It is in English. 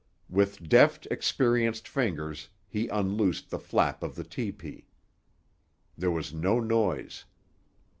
With deft, experienced fingers he unloosed the flap of the tepee. There was no noise.